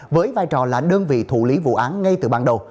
với vai trò là đơn vị thủ lý vụ án ngay từ ban đầu